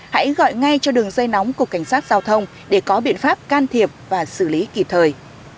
hãy gọi ngay cho đường dây nóng của cảnh sát giao thông để có biện pháp can thiệp và xử lý kịp thời